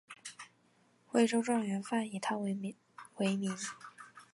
徽州状元饭以他为名。